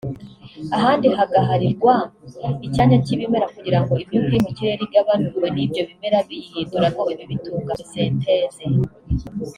ahandi hagaharirwa icyanya cy’ibimera kugira ngo imyuka iri mu kirere igabanurwe n’ibyo bimera biyihinduramo ibibitunga (photosynthese)